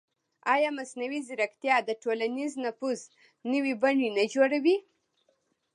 ایا مصنوعي ځیرکتیا د ټولنیز نفوذ نوې بڼې نه جوړوي؟